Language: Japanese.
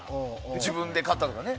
自分で買ったとかね。